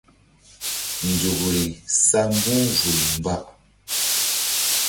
Nzukri sa mbu̧h vul mba.